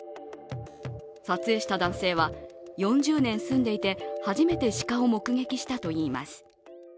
撮影した男性は、４０年住んでいて、初めて鹿を目撃したといいます。